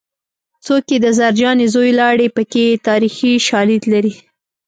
څوک یې د زرجانې زوی لاړې پکې تاریخي شالید لري